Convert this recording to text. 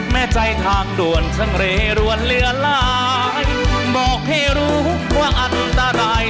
แม่ใจทางด่วนช่างเรรวนเหลือหลายบอกให้รู้ว่าอันตราย